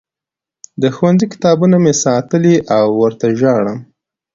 د ښوونځي کتابونه مې ساتلي او ورته ژاړم